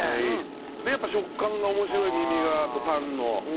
でやっぱ食感が面白いミミガーとタンの。